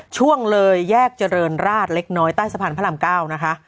ช่วงเลยแยกเจริญราชเล็กน้อยใต้สะพานพระราม๙นะคะ